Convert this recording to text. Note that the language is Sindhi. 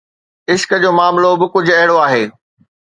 عشق جو معاملو به ڪجهه اهڙو آهي.